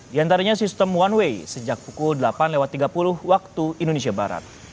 di antaranya sistem one way sejak pukul delapan tiga puluh waktu indonesia barat